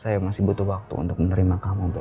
saya mau sedikit jelasin kamu ya